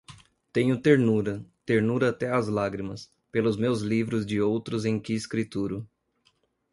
Tenho ternura, ternura até às lágrimas, pelos meus livros de outros em que escrituro